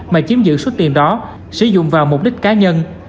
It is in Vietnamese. mà chiếm giữ số tiền đó sử dụng vào mục đích cá nhân